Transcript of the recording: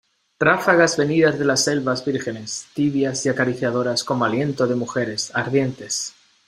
ráfagas venidas de las selvas vírgenes, tibias y acariciadoras como aliento de mujeres ardientes ,